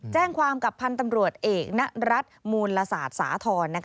แจ้งความกับพันธ์ตำรวจเอกณรัฐมูลละศาสตร์สาธรณ์